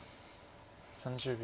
３０秒。